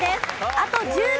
あと１０年。